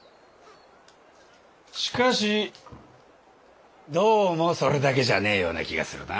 しかしどうもそれだけじゃねえような気がするなあ。